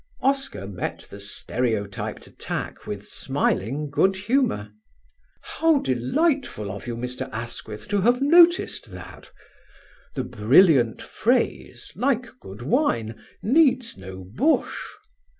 Oscar met the stereotyped attack with smiling good humour. "How delightful of you, Mr. Asquith, to have noticed that! The brilliant phrase, like good wine, needs no bush.